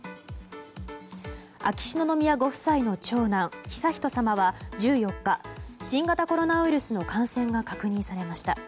秋篠宮ご夫妻の長男・悠仁さまは１４日新型コロナウイルスの感染が確認されました。